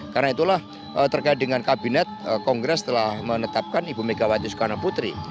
karena itulah terkait dengan kabinet kongres telah menetapkan ibu megawati sukarno putri